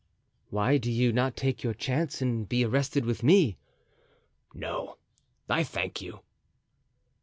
"Why do you not take your chance and be arrested with me?" "No, I thank you."